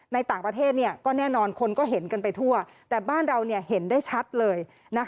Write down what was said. ในต่างประเทศก็แน่นอนคนก็เห็นกันไปทั่วแต่บ้านเราเห็นได้ชัดเลย